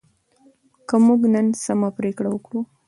که موږ نن سمه پریکړه وکړو.